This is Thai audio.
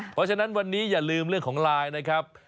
เพราะฉะนั้นวันนี้อย่าลืมเรื่องของไลน์นะครับ